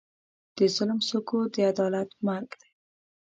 د ظلم سکوت، د عدالت مرګ دی.